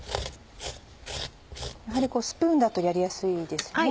やはりスプーンだとやりやすいですね。